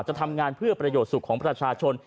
จะทำงานเพื่อประโยชน์สุขของประชาชน